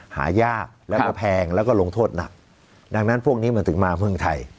หายากแล้วก็แพงแล้วก็ลงโทษหนักดังนั้นพวกนี้มันถึงมาเมืองไทย